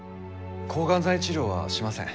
抗がん剤治療はしません。